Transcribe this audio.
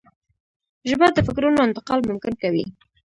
ژبه د فکرونو انتقال ممکن کوي